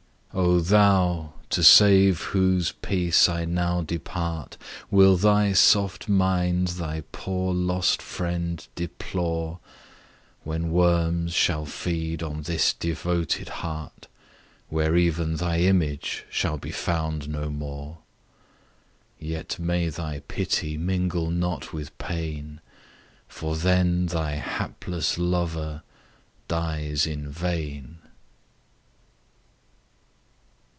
O thou! to save whose peace I now depart, Will thy soft mind thy poor lost friend deplore, When worms shall feed on this devoted heart, Where even thy image shall be found no more? Yet may thy pity mingle not with pain, For then thy hapless lover dies in vain!